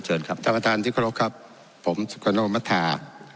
ท่านประธานทิศครับผมซูกาโนมัธา